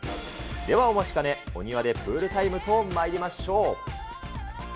ではお待ちかね、お庭でプールタイムといきましょう。